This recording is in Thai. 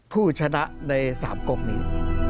ผู้ชนะในสามกรกนี้